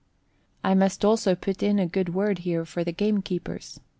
I must also put in a good word here for the gamekeepers.